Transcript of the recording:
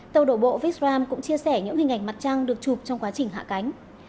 tàu đổ bộ vikram cũng chia sẻ những hình ảnh mặt trăng được chụp trong quá trình hạ cánh